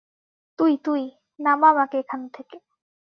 তুই, তুই, নামা আমাকে এখান থেকে।